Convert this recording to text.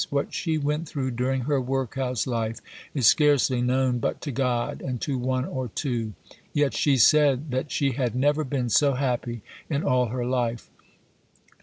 What she went through during her workhouse life is scarcely known but to God and to one or two. Yet she said that she had "never been so happy in all her life."